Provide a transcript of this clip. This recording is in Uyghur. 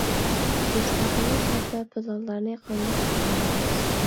بىز تېخىمۇ كاتتا پىلانلارنى قانداق كۆرەلەيمىز.